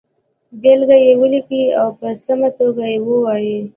بېلګه یې ولیکئ او په سمه توګه یې ووایئ.